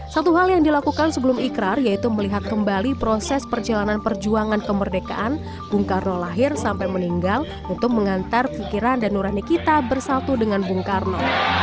satu hal yang dilakukan sebelum ikrar yaitu melihat kembali proses perjalanan perjuangan kemerdekaan bung karno lahir sampai meninggal untuk mengantar pikiran dan nurani kita bersatu dengan bung karno